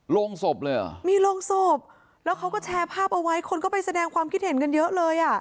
โรงศพเลยเหรอมีโรงศพแล้วเขาก็แชร์ภาพเอาไว้คนก็ไปแสดงความคิดเห็นกันเยอะเลยอ่ะ